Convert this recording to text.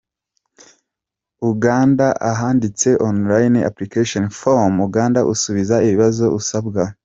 tr, ugakanda ahanditse ‘online application form’ ukagenda usubiza ibibazo usabwa.